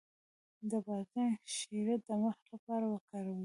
د بادرنګ شیره د مخ لپاره وکاروئ